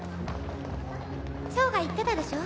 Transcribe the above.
チョウが言ってたでしょ